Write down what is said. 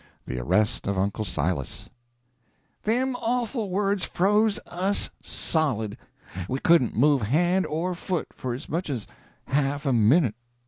THE ARREST OF UNCLE SILAS Them awful words froze us solid. We couldn't move hand or foot for as much as half a minute.